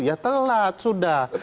ya telat sudah